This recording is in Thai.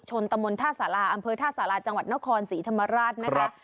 ชนตะมนท่าสาราอันเวิร์นท่าสาราจังหวัดนครศรีธรรมาราชนะคะ